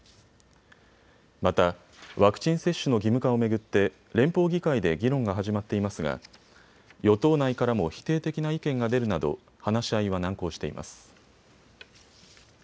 またワクチン接種の義務化を巡って、連邦議会で議論が始まっていますが与党内からも否定的な意見が出るなど話し合いは難航しています。